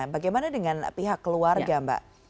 bagaimana dengan pihak keluarga mbak